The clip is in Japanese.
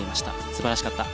素晴らしかった。